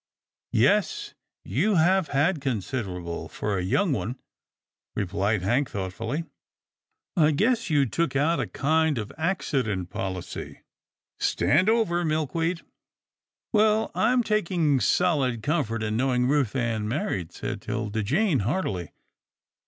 " Yes, you have had considerable for a young one," replied Hank thoughtfully. " I guess you took out a kind of accident policy — Stand over, Milkweed." " Well, I'm taking solid comfort in knowing Ruth Ann married," said 'Tilda Jane heartily.